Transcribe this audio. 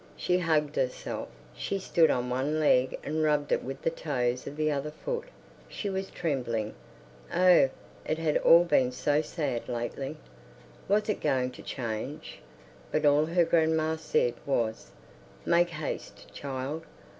She hugged herself; she stood on one leg and rubbed it with the toes of the other foot; she was trembling. Oh, it had all been so sad lately. Was it going to change? But all her grandma said was, "Make haste, child.